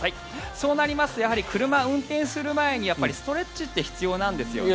そうなりますとやはり車を運転する前にストレッチって必要なんですよね。